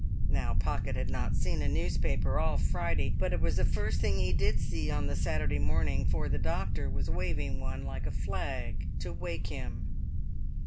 Now Pocket had not seen a newspaper all Friday, but it was the first thing he did see on the Saturday morning, for the doctor was waving one like a flag to wake him.